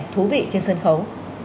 thú vị trên sân khấu